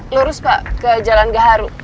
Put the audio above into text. lurus pak ke jalan gaharu